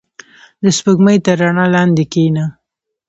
• د سپوږمۍ تر رڼا لاندې کښېنه.